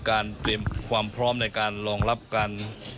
เตรียมความพร้อมในการรองรับการ